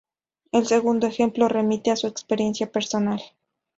El segundo ejemplo remite a su experiencia personal.